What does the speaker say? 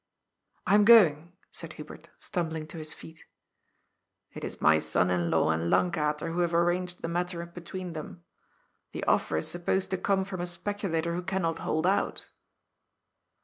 " I am going," said Hubert, stumbling to his feet. " It is my son in law and Lankater who have arranged the matter between them. The offer is supposed to come from a speculator who cannot hold out."